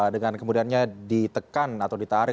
dengan kemudiannya ditekan atau ditarik